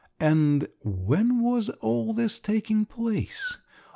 And when was all this taking place?